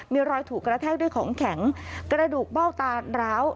มีรอยถูกกระแทกด้วยของแข็งกระดูกเบ้าตาร้าว